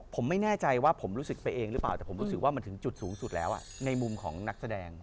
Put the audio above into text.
ผมไม่แน่ใจว่าผมรู้สึกไปเองหรือเปล่าแต่ผมรู้สึกว่ามันถึงจุดสูงสุดแล้วในมุมของนักแสดง